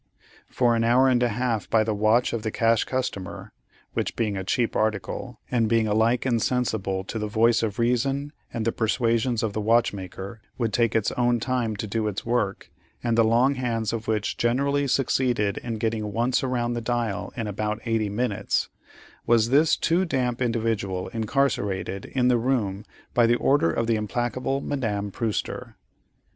For an hour and a half by the watch of the Cash Customer (which being a cheap article, and being alike insensible to the voice of reason and the persuasions of the watchmaker, would take its own time to do its work, and the long hands of which generally succeeded in getting once round the dial in about eighty minutes) was this too damp individual incarcerated in the room by the order of the implacable Madame Prewster.